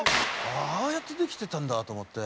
ああやってできてたんだと思って。